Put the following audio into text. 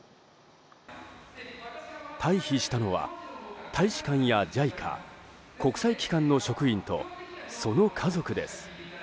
退避したのは、大使館やＪＩＣＡ国際機関の職員とその家族です。